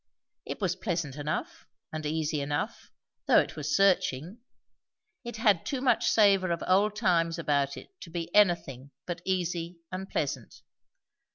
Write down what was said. It was pleasant enough and easy enough, though it was searching; it had too much savour of old times about it to be anything but easy and pleasant.